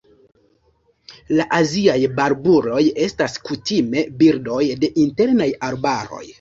La aziaj barbuloj estas kutime birdoj de internaj arbaroj.